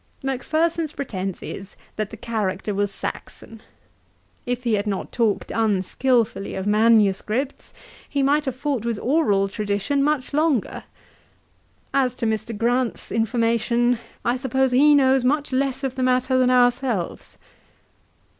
Macpherson's pretence is, that the character was Saxon. If he had not talked unskilfully of manuscripts, he might have fought with oral tradition much longer. As to Mr. Grant's information, I suppose he knows much less of the matter than ourselves.